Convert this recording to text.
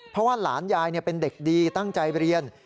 เพราะว่าหลานยายเป็นเด็กดีตั้งใจเรียน